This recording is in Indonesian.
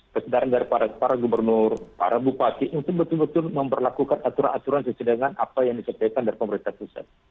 kesadaran dari para gubernur para bupati untuk betul betul memperlakukan aturan aturan sesedangkan apa yang disampaikan dari pemerintah susah